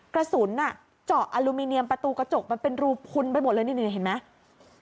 กระสุนเจาะอลูมิเนียมประตูกระจกมันเป็นรูพุนไปหมดเลยนี่เห็นไหม